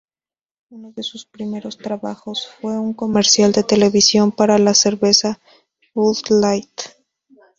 Uno de sus primeros trabajos fue un comercial de televisión para cerveza Bud Light.